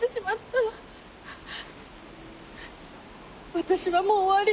私はもう終わり。